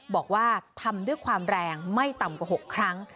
บอกว่าทำด้วยความแรงไม่ต่ำกว่า๖ครั้ง